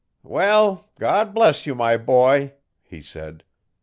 'Well! God bless you, my boy,' he said.